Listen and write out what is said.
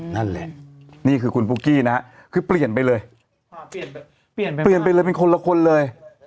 นั่นเลยนี่คือคุณพุกกี้นะคือเปลี่ยนไปเลยเปลี่ยนไปเลยเป็นคนละคนเลย